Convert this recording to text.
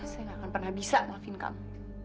saya nggak akan pernah bisa ngelafin kamu